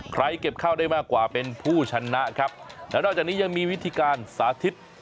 เก็บเข้าได้มากกว่าเป็นผู้ชนะครับแล้วนอกจากนี้ยังมีวิธีการสาธิต